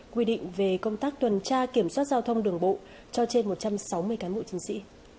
quy định về công tác tuần tra kiểm soát giao thông đường bộ cho trên một trăm sáu mươi cán bộ chiến sĩ